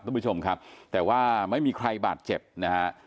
คุณผู้ชมครับแต่ว่าไม่มีใครบาดเจ็บนะฮะ